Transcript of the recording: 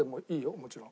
もちろん。